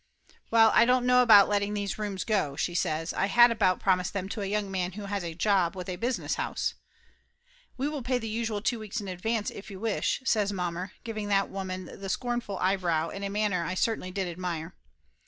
"Well, I don't know about letting these rooms go," she says. "I had about promised them to a young man who has a job with a business house." "We will pay the usual two weeks in advance if you wish," says mommer, giving that woman the 126 Laughter Limited 127 scornful eyebrow in a manner I certainly did admire.